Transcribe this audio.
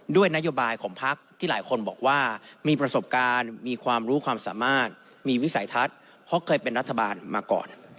ด้วยนโยบายของพักที่หลายคนบอกว่ามีประสบการณ์มีความรู้ความสามารถมีวิสัยทัศน์เพราะเคยเป็นรัฐบาลมาก่อน